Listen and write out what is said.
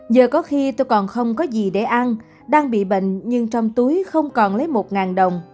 giờ có khi tôi còn không có gì để ăn đang bị bệnh nhưng trong túi không còn lấy một đồng